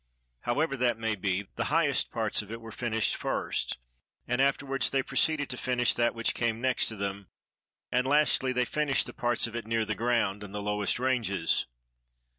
However that may be the highest parts of it were finished first, and afterwards they proceeded to finish that which came next to them, and lastly they finished the parts of it near the ground and the lowest ranges.